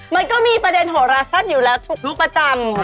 มันก็มีประเด็นโหราแซ่บอยู่แล้วถูกลูกประจำ